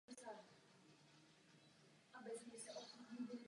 Jsem si jist, že ho tento Parlament přijme stejně vřele.